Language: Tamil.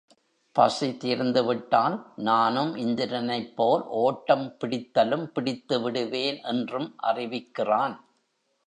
பசி தீர்ந்துவிட்டால், நானும் இந்திரனைப்போல் ஓட்டம் பிடித்தலும் பிடித்துவிடுவேன்! என்றும் அறிவிக்கிறான்.